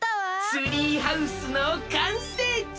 ツリーハウスのかんせいじゃ！